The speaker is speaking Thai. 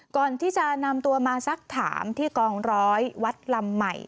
ก่อนที่จะนำตัวมาสักถามที่กองร้อยวัดลำใหม่